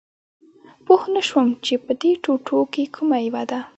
پوه نه شوم چې په دې ټوټو کې کومه یوه ده